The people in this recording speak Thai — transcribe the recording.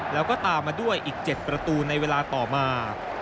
แล้วก็ตามมาด้วยอีก๗ประตูในเวลาต่อมา